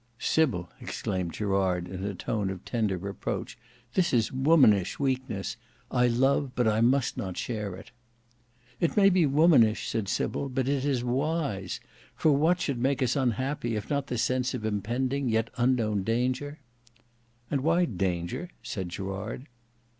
"Sybil," exclaimed Gerard in a tone of tender reproach, "this is womanish weakness; I love, but must not share it." "It may be womanish," said Sybil, "but it is wise: for what should make us unhappy if not the sense of impending, yet unknown, danger?" "And why danger?" said Gerard.